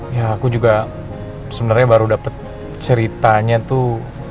ya aku juga sebenarnya baru dapat ceritanya tuh